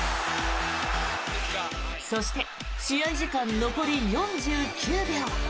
そして試合時間残り４９秒。